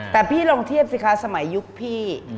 แต่พี่ลองเทียบสิคะสมัยยุคพี่